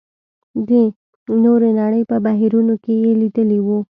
د نورې نړۍ په بهیرونو کې یې لېدلي وو.